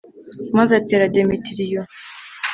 maze atera demetiriyo